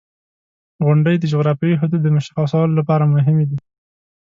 • غونډۍ د جغرافیوي حدودو د مشخصولو لپاره مهمې دي.